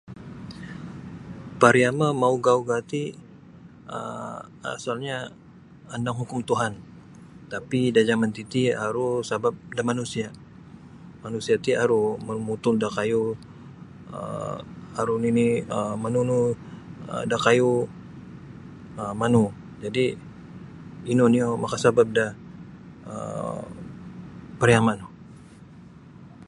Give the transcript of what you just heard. Pariama mauga-uga ti um asalnya andang hukum tuhan tapi da jaman titi aru sabab da manusia manusia ti aru mamutung da kayu um aru nini um manunu um da kayu um manu jadi ino nio makasabab da um pariama no.